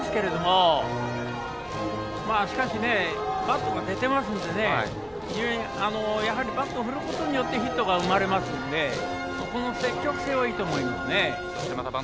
バットが寝ていますのでやはりバットを振ることでヒットが生まれますのでこの積極性はいいと思います。